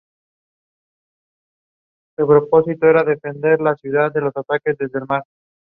Today the site is open and can be explored.